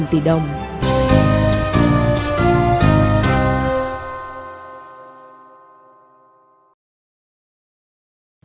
thị trường chứng khoán